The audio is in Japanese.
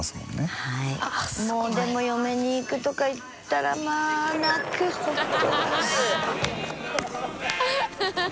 もうでも嫁にいくとか言ったらまぁ泣くこと。